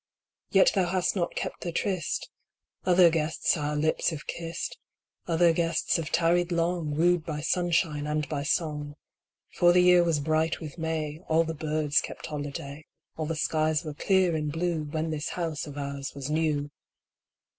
Yet thou hast not kept the tryst. Other guests our lips have kissed : Other guests have tarried long, Wooed by sunshine and by song ; For the year was bright with May, All the birds kept holiday, All the skies were clear and blue, When this house of ours was new.